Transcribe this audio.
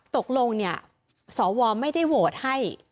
ตกลงเนี่ยสวไม่ได้โหวตให้